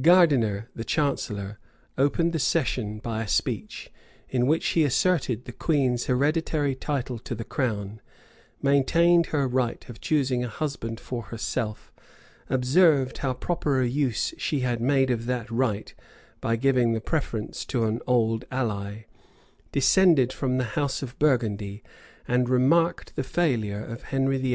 Gardiner, the chancellor, opened the session by a speech; in which he asserted the queen's hereditary title to the crown; maintained her right of choosing a husband for herself; observed how proper a use she had made of that right, by giving the preference to an old ally, descended from the house of Burgundy; and remarked the failure of Henry VIII.